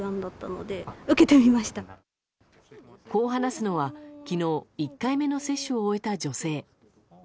こう話すのは昨日、１回目の接種を終えた女性。